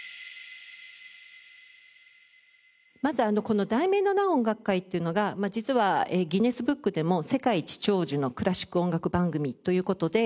まずこの『題名のない音楽会』っていうのが実はギネスブックでも「世界一長寿のクラシック音楽番組」という事で。